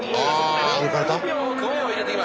あ抜かれた？